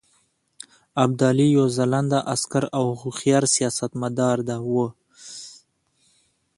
ابدالي یو ځلانده عسکر او هوښیار سیاستمدار وو.